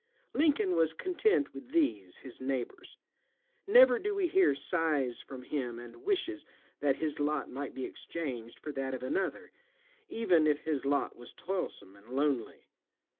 Lincoln was content with these, his neighbors. Never do we hear sighs from him and wishes that his lot might be exchanged for that of another, even if his lot was toilsome and lonely.